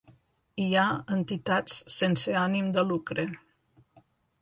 Hi ha entitats sense ànim de lucre.